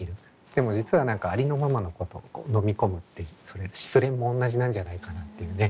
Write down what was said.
でも実は何かありのままのことを飲み込むって失恋も同じなんじゃないかなっていうね。